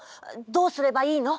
どうすればいいの？